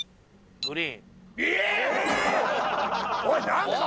おい。